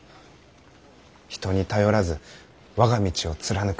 人に頼らず我が道を貫く。